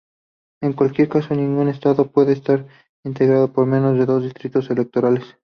En cualquier caso, ningún estado puede estar integrado por menos de dos distritos electorales.